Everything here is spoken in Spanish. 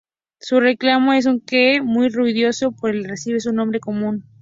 Su reclamo es un "keee-aa" muy ruidoso por el que recibe su nombre común.